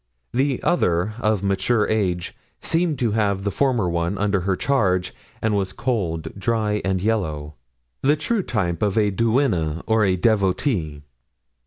The other, of mature age, seemed to have the former one under her charge, and was cold, dry and yellow—the true type of a duenna or a devotee.